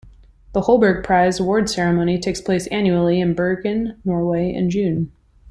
The Holberg Prize award ceremony takes place annually in Bergen, Norway in June.